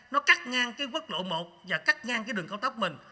nó cắt ngang quốc lộ một và cắt ngang đường cao tốc mình